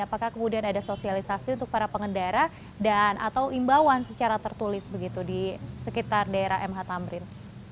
apakah kemudian ada sosialisasi untuk para pengendara dan atau imbauan secara tertulis begitu di sekitar daerah mh tamrin